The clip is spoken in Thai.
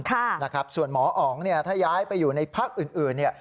ค่ะนะครับส่วนหมออ๋องเนี่ยถ้าย้ายไปอยู่ในพักอื่นอื่นเนี่ย